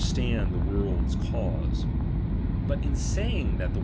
stand the world's cause. But in saying that tfcn.'